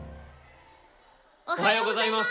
おはようございます！